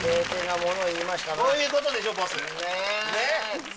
こういうことでしょボス！